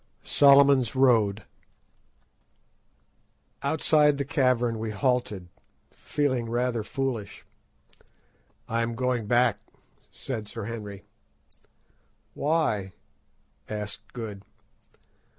SOLOMON'S ROAD Outside the cavern we halted, feeling rather foolish. "I am going back," said Sir Henry. "Why?" asked Good.